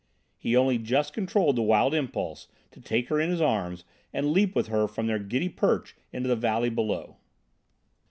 He only just controlled the wild impulse to take her in his arms and leap with her from their giddy perch into the valley below.